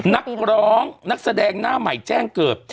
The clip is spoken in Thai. นักร้องนักแสดงหน้าใหม่แจ้งเกิด